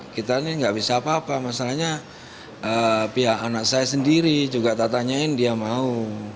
kita ini nggak bisa apa apa masalahnya pihak anak saya sendiri juga tak tanyain dia mau